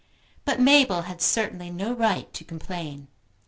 But Mabel had certainly no right to complain.